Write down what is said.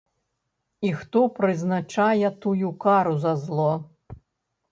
І хто прызначае тую кару за зло?